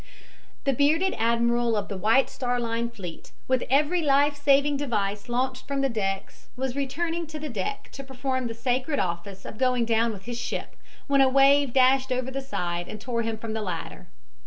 The bearded admiral of the White Star Line fleet, with every life saving device launched from the decks, was returning to the deck to perform the sacred office of going down with his ship when a wave dashed over the side and tore him from the ladder.